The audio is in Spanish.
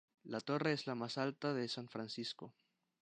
La torre es la más alta de San Francisco.